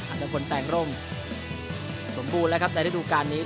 อัตภัณฑ์แปลงร่มสมบูรณ์แล้วครับได้ดูการนี้